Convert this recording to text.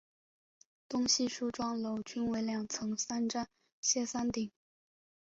东西梳妆楼均为两层三檐歇山顶。